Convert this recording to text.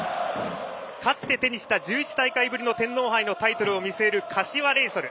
かつて手にした１１大会ぶりの天皇杯のタイトルを見据える柏レイソル。